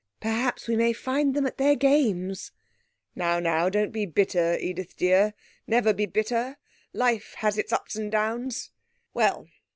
'Perhaps we may find them at their games!' 'Now, now, don't be bitter, Edith dear never be bitter life has its ups and downs.... Well!